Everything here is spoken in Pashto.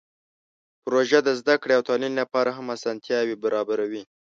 پروژه د زده کړې او تعلیم لپاره هم اسانتیاوې برابروي.